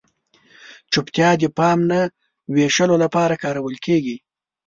چپتیا د پام نه وېشلو لپاره کارول کیږي.